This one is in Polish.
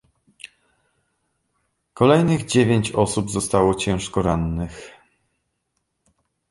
Kolejnych dziewięć osób zostało ciężko rannych